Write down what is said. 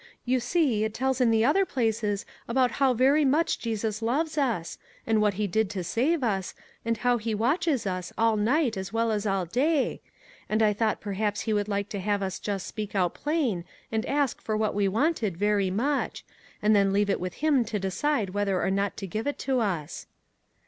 " You see, it tells in the other places about how very much Jesus loves us, and what he did to save us, and how he watches us all night as well as all day, and I thought perhaps he would like to have us just speak out plain and ask for what we wanted very much, and then leave it with him to decide whether or not to give it to us."